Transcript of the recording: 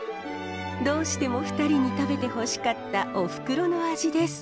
どうしても２人に食べてほしかったおふくろの味です。